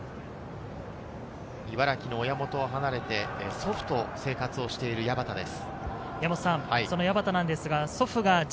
茨城の親もとを離れて、祖父と生活している矢端です。